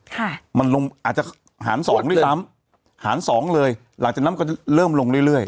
ค่ะมันลงอาจจะหารสองด้วยซ้ำหารสองเลยหลังจากนั้นก็เริ่มลงเรื่อยเรื่อย